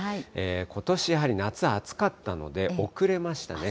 ことしやはり夏、暑かったので、遅れましたね。